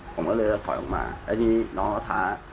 ผมก็เลยถอยออกมาแล้วทีนี้น้องเขาท้า